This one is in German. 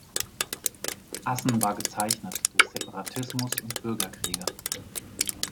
Assen war gezeichnet durch Separatismus und Bürgerkriege.